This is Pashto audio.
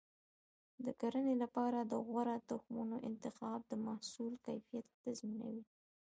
د کرنې لپاره د غوره تخمونو انتخاب د محصول کیفیت تضمینوي.